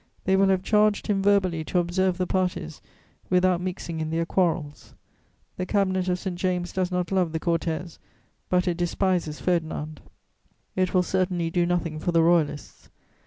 They will have charged him verbally to observe the parties without mixing in their quarrels. The Cabinet of St. James does not love the Cortes, but it despises Ferdinand. It will certainly do nothing for the Royalists.